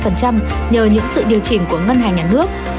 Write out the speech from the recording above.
nhờ những sự điều chỉnh của ngân hàng nhà nước